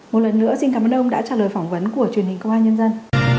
một lần nữa xin cảm ơn ông đã trả lời phỏng vấn của truyền hình công an nhân dân